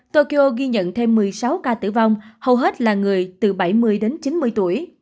tokyo ghi nhận thêm một mươi sáu ca tử vong hầu hết là người từ bảy mươi đến chín mươi tuổi